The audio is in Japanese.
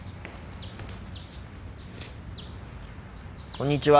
こんにちは。